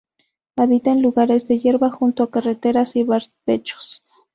Habita en lugares de hierba, junto a carreteras y barbechos.